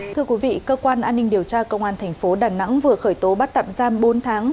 thưa quý vị cơ quan an ninh điều tra công an thành phố đà nẵng vừa khởi tố bắt tạm giam bốn tháng